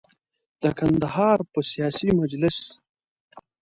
د کندهار په سیاسي محبس کې نوی سیستم جوړ شوی وو.